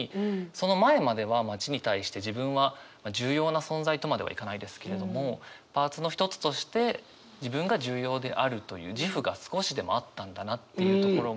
その前までは街に対して自分は重要な存在とまではいかないですけれどもパーツの一つとして自分が重要であるという自負が少しでもあったんだなっていうところが見える。